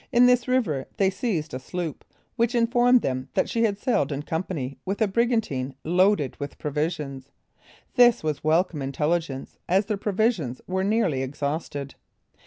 In this river they seized a sloop, which informed them that she had sailed in company with a brigantine loaded with provisions. This was welcome intelligence, as their provisions were nearly exhausted.